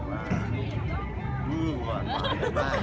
มันถูกถูกด้วยเท่ามั้ย